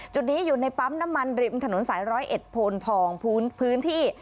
จุดนี้อยู่ในปั๊มน้ำมันริมถนนสายร้อยเอ็ดโพนทองพื้นที่